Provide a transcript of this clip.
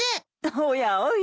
おやおや。